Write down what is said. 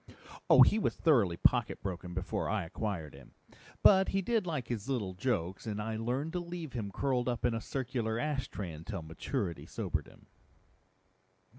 "Oh, he was thoroughly pocket broken before I acquired him. But he did like his little jokes, and I learned to leave him curled up in a circular ashtray until maturity sobered him."